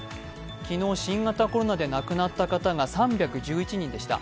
昨日、新型コロナで亡くなった方が３１１人でした。